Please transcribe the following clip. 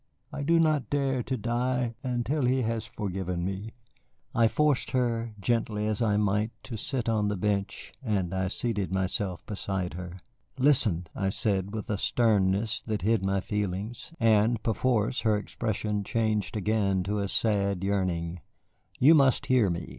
I do not dare to die until he has forgiven me." I forced her, gently as I might, to sit on the bench, and I seated myself beside her. "Listen," I said, with a sternness that hid my feelings, and perforce her expression changed again to a sad yearning, "you must hear me.